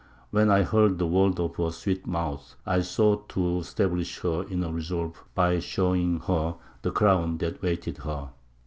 When I heard the words of her sweet mouth, I sought to stablish her in her resolve by showing her the crown that awaited her.